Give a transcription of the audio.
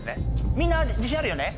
みんな自信あるよね？